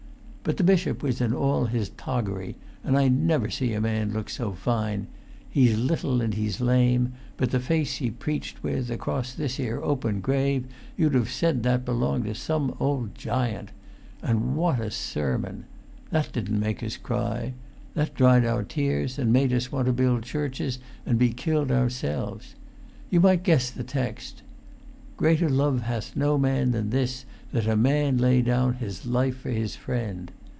But the bishop was in all his toggery, and I never see a man look so fine; he's little and he's lame, but the face he preached with, across this here open grave, you'd have said that belonged to some old giant. And what a sermon! That didn't make us cry; that dried our tears, an' made us want to build churches and be killed ourselves. You might guess the text: 'Greater love hath no man than this, that a man lay down his life for his friend.'